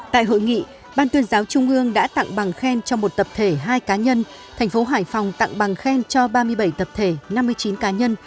tại hội nghị ban tuyên giáo trung ương đã tặng bằng khen cho một tập thể hai cá nhân thành phố hải phòng tặng bằng khen cho ba mươi bảy tập thể năm mươi chín cá nhân